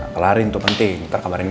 kelarin tuh penting ntar kabarin gue